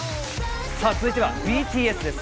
続いてはＢＴＳです。